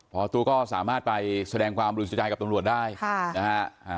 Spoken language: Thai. พอตู้ก็สามารถไปแสดงความรู้สึกใจกับตรงรวจได้ค่ะ